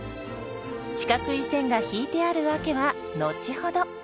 四角い線が引いてある訳は後ほど。